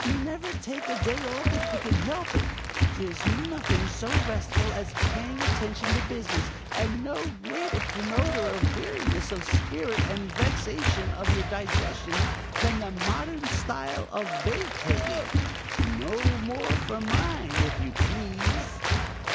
Never take a day off if you can help it. There's nothing so restful as paying attention to business, and no greater promoter of weariness of spirit and vexation of your digestion than the modern style of vacating. No more for mine, if you please."